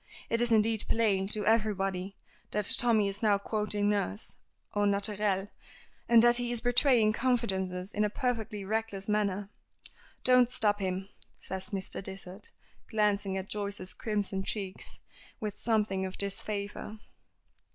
It is indeed plain to everybody that Tommy is now quoting nurse, au naturel, and that he is betraying confidences in a perfectly reckless manner. "Don't stop him," says Mr. Dysart, glancing at Joyce's crimson cheeks with something of disfavor.